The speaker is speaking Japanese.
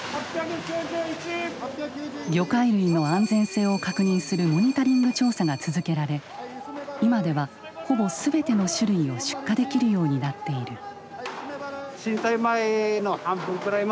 魚介類の安全性を確認するモニタリング調査が続けられ今ではほぼ全ての種類を出荷できるようになっている。